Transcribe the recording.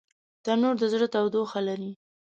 تنور د زړه تودوخه لري